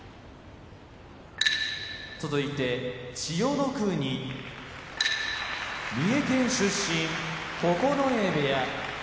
千代の国三重県出身九重部屋